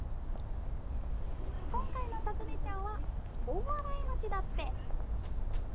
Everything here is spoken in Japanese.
今回のたずねちゃおは大洗町だっぺ。